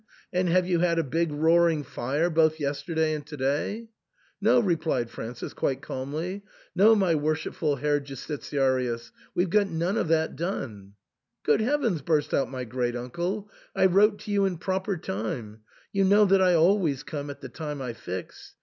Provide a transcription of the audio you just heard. and have you had a big roaring fire both yesterday and to day ?"" No," replied Francis, quite calmly, " no, my worshipful Herr Justitiarius, we've got none of that done." " Good Heavens !" burst out my great uncle, " I wrote to you in proper time ; you know that I always come at the time I fix.